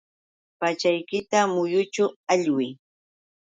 Pachaykita mayućhu aywiy.